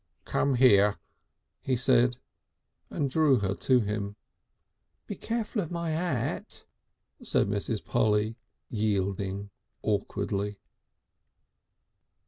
"Come here," he said, and drew her to him. "Be careful of my 'at," said Mrs. Polly, yielding awkwardly.